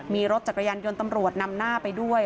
มีรถจักรยานยนต์ตำรวจนำหน้าไปด้วย